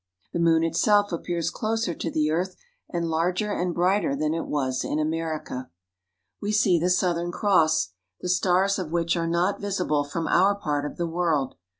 The moon itself appears closer to the earth, and larger and brighter than it was in America. We see the Southern Cross, the stars of which are not visible from our part of the world.